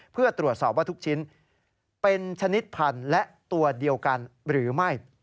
เพื่อตรวจสอบว่าทุกชิ้นเป็นชนิดพันธุ์และตัวเดียวกันหรือไม่